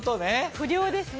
不良ですね。